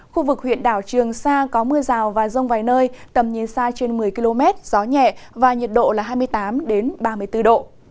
khu vực huyện đảo trường sa có mưa rào và rông vài nơi tầm nhìn xa trên một mươi km gió nhẹ và nhiệt độ là hai mươi tám ba mươi bốn độ